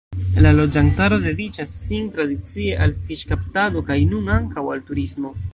La loĝantaro dediĉas sin tradicie al fiŝkaptado kaj nun ankaŭ al turismo.